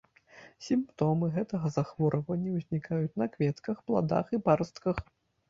Сімптомы гэтага захворвання ўзнікаюць на кветках, пладах і парастках.